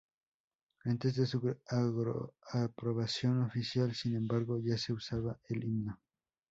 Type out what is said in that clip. Antes de su aprobación oficial, sin embargo, ya se usaba el Himno.